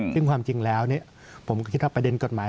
ซึ่งความจริงแล้วผมก็คิดว่าประเด็นกฎหมาย